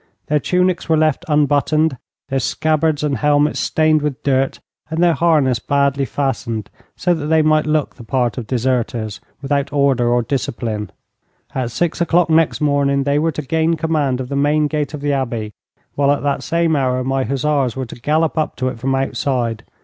Their tunics were left unbuttoned, their scabbards and helmets stained with dirt, and their harness badly fastened, so that they might look the part of deserters, without order or discipline. At six o'clock next morning they were to gain command of the main gate of the Abbey, while at that same hour my hussars were to gallop up to it from outside.